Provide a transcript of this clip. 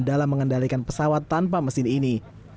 dalam mengendalikan pesawat tanpa mesin ini